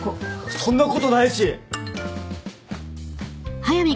そんなことないし。